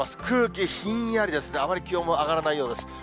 空気ひんやりですね、あまり気温は上がらないようです。